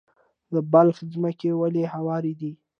د بلخ ځمکې ولې هوارې دي؟